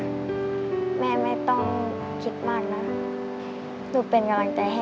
อเรนนี่ต้องมีวัคซีนตัวหนึ่งเพื่อที่จะช่วยดูแลพวกม้ามและก็ระบบในร่างกาย